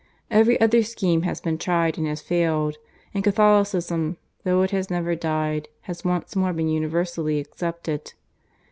Every other scheme has been tried and has failed; and Catholicism, though it has never died, has once more been universally accepted.